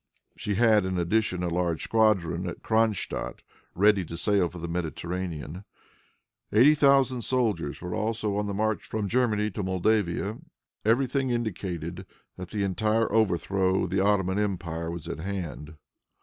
She had, in addition, a large squadron at Cronstadt, ready to sail for the Mediterranean. Eighty thousand soldiers were also on the march from Germany to Moldavia. Every thing indicated that the entire overthrow of the Ottoman empire was at hand.